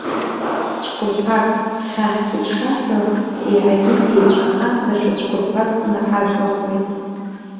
Цәқәырԥак хьаҳцеит шаҳҳәо, иаҳагьы еицәаха, даҽа цәқәырԥак наҳажәлахуеит.